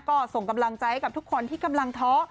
ก็ส่งกำลังใจให้กับทุกคนที่กำลังท้อ